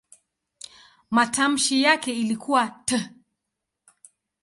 Matamshi yake ilikuwa "t".